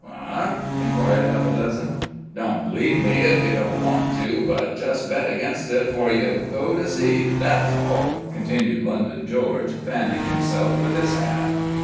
"Eh?" inquired half a dozen. "Don't b'leeve me if you don't want to, but just bet against it 'fore you go to see that's all!" continued London George, fanning himself with his hat.